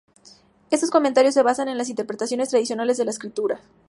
Estos comentarios se basan en las interpretaciones tradicionales de las escrituras.